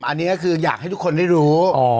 อันนี้ก็คืออยากให้ทุกคนได้รู้